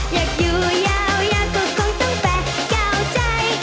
อยากอยู่ยาวยากก็คงต้องแปลกเข้าใจ